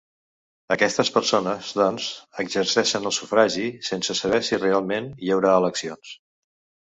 Aquestes persones, doncs, exerceixen el sufragi sense saber si realment hi haurà eleccions.